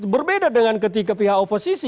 berbeda dengan ketika pihak oposisi